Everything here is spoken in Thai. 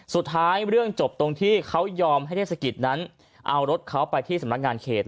เรื่องจบตรงที่เขายอมให้เทศกิจนั้นเอารถเขาไปที่สำนักงานเขต